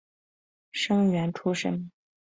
生员出身。